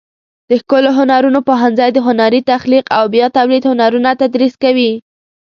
د ښکلو هنرونو پوهنځی د هنري تخلیق او بیا تولید هنرونه تدریس کوي.